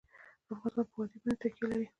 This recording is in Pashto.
افغانستان په وادي باندې تکیه لري.